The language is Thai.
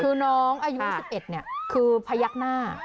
คือน้องอายุ๑๑คือพยักหน้า